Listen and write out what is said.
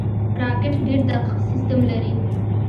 راکټ ډېر دقیق سیستم لري